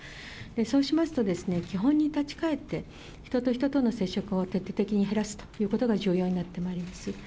そうしますと、基本に立ち返って、人と人との接触を徹底的に減らすということが重要だと思います。